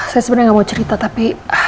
saya sebenarnya gak mau cerita tapi